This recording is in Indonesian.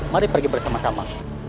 mari pergi bersama sama